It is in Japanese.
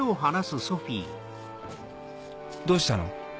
どうしたの？